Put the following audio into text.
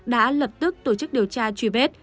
đã lập tức tổ chức điều tra truy vết